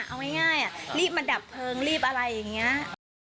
เอาง่ายรีบมาดับเพลิงรีบอะไรอย่างนี้